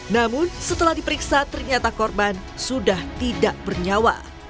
namun setelah diperiksa ternyata korban sudah tidak bernyawa